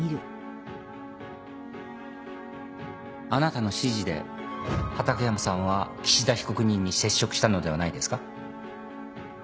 あなたの指示で畠山さんは岸田被告人に接触したのではないですか。